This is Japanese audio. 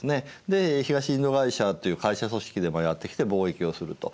で東インド会社という会社組織でもやって来て貿易をすると。